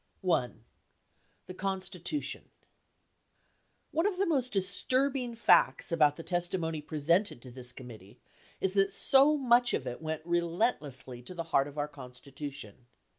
1177 I. THE CONSTITUTION One of the most disturbing facts about the testimony presented to this committee is that so much of it went relentlessly to the heart of oyr Constitution.